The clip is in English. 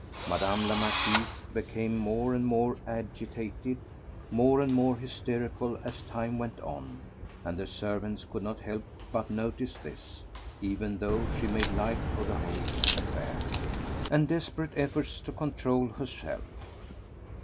Madame la Marquise became more and more agitated, more and more hysterical as time went on, and the servants could not help but notice this, even though she made light of the whole affair, and desperate efforts to control herself.